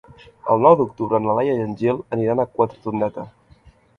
El nou d'octubre na Laia i en Gil aniran a Quatretondeta.